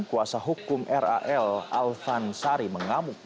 kuasa hukum ral alvan sari mengamuk